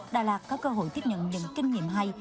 đà lạt có cơ hội tiếp nhận những kinh nghiệm hay